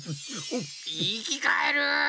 いきかえる！